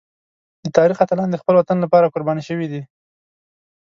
د تاریخ اتلان د خپل وطن لپاره قربان شوي دي.